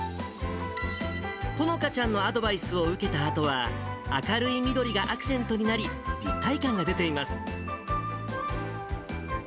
このかちゃんのアドバイスを受けたあとは、明るい緑がアクセントになり、立体感が出ています。